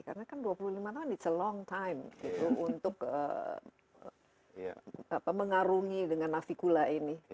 karena kan dua puluh lima tahun itu waktu yang panjang untuk mengarungi dengan navikula ini